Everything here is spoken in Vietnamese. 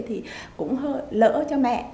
thì cũng hơi lỡ cho mẹ